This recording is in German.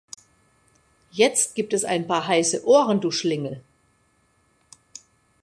Jetzt gibt es ein paar heiße Ohren, du Schlingel!